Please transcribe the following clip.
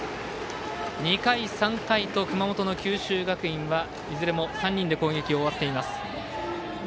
２回、３回と熊本の九州学院はいずれも３人で攻撃を終わっています。